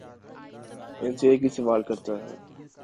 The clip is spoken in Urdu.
ان سے ایک ہی سوال کرتا ہے